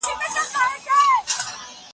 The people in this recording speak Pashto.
یو موټی سئ.